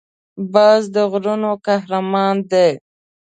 باز د غرونو قهرمان دی